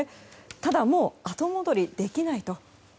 ただもう、後戻りできないと。